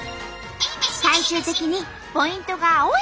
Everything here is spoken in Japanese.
最終的にポイントが多いほうが勝ち。